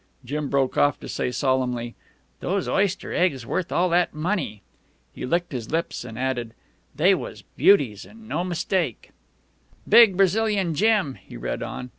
Jim broke off to say solemnly, "Those oyster eggs worth all that money!" He licked his lips and added, "They was beauties an' no mistake." "Big Brazilian gem," he read on.